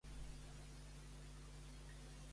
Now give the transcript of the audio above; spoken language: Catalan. Iglesias creu que és adient el seu empresonament?